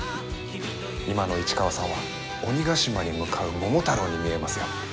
今の市川さんは鬼ヶ島に向かう桃太郎に見えますよ。